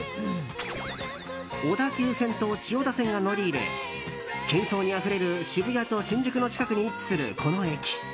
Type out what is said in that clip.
小田急線と千代田線が乗り入れ喧騒にあふれる渋谷と新宿の近くに位置するこの駅。